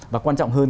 và quan trọng hơn